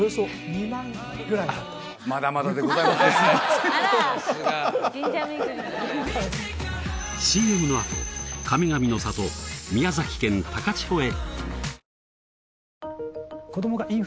さすがＣＭのあと神々の里宮崎県高千穂へ！